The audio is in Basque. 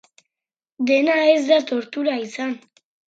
Dena ez da tortura izan.